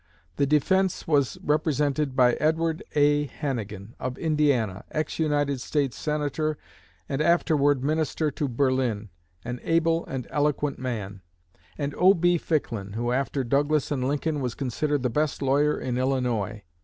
The defense was represented by Edward A. Hannegan, of Indiana, ex United States Senator and afterward Minister to Berlin, an able and eloquent man; and O.B. Ficklin, who, after Douglas and Lincoln, was considered the best lawyer in Illinois.